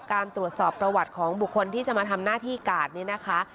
การตรวจสอบประวัติของบุคคลที่จะมาทำหน้าที่การ์ดนี้นะคะ